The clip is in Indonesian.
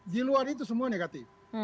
di luar itu semua negatif